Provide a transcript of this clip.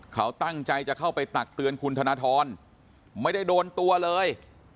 เขาตั้งใจจะเข้าไปตักเตือนคุณธนทรไม่ได้โดนตัวเลย